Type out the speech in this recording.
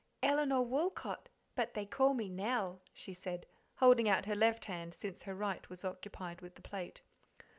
"Elinor Woolcot, but they call me Nell," she said, holding out her left hand, since her right was occupied with the plate.